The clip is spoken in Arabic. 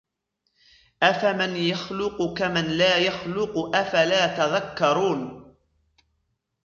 أفمن يخلق كمن لا يخلق أفلا تذكرون